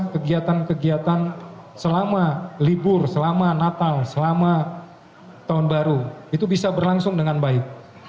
kegiatan kegiatan selama libur selama natal selama tahun baru itu bisa berlangsung dengan baik